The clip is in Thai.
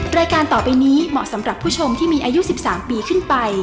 รายการต่อไปนี้เหมาะสำหรับผู้ชมที่มีอายุ๑๓ปีขึ้นไป